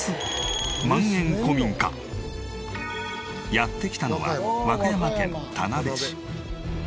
やって来たのは和歌山県田辺市。